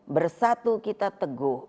bersatu kita teguh